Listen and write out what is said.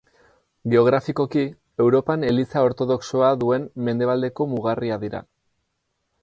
Geografikoki, Europan Eliza ortodoxoa duen mendebaldeko mugarria dira.